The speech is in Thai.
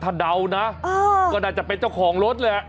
ถ้าเดานะก็น่าจะเป็นเจ้าของรถแหละ